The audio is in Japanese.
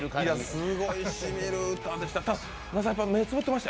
すごい、しみる歌でした。